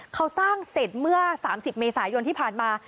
เขาสร้างเสร็จเมื่อ๓๐เมษายนที่ผ่านมา